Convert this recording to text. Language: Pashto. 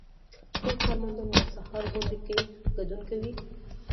ټول کارمندان د سهار غونډې کې ګډون کوي.